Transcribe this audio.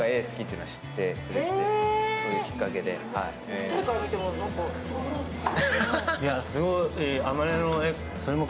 ２人から見ても、なんかすごくないですか？